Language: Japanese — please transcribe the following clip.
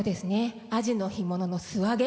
アジの干物の素揚げ。